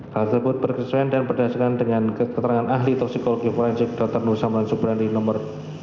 keterangan ahli toksogliu forensik dr nur somran subrani nomor dua sepuluh